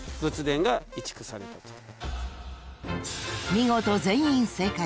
［見事全員正解］